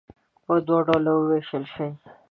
په دوو ډلو ووېشل شي.